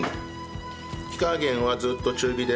火加減はずっと中火です。